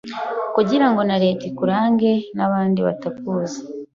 kugirango na leta ikurange n’ahandi batakuzi